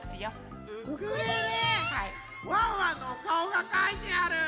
ワンワンのおかおがかいてある！